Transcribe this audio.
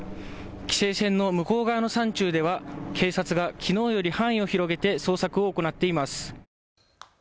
規制線の向こう側の山中では警察がきのうより範囲を広げて捜索を行っています。